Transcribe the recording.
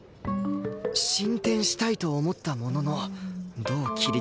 進展したいと思ったもののどう切り出せば